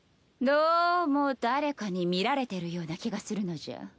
ども誰かに見られてるような気がするのじゃ。